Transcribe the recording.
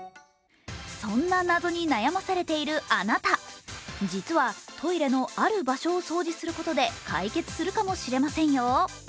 そんな謎に悩まされているあなた、実はトイレのある場所を掃除することで解決するかもしれませんよ。